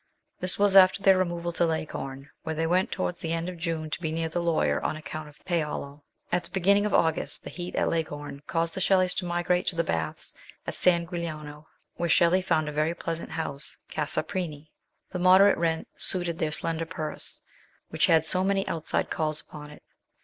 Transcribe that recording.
This was after their removal to Leghorn, where they went towards the end of June to be near the lawyer on account of Paolo. At the beginning of August the heat at Leghorn caused the Shelleys to migrate to the baths of San Giuliano, where Shelley found a very plea sant house, Casa Prini. The moderate rent suited their slender purse, which had so many outside calls upon it.